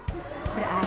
iya seperti kakek